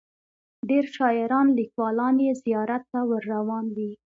ډیر شاعران لیکوالان یې زیارت ته ور روان وي.